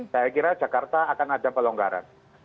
saya kira jakarta akan ada pelonggaran